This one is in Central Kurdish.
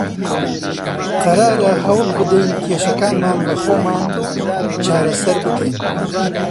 قەرارە هەوڵ بدەین کێشەکانمان بە خۆمان چارەسەر بکەین.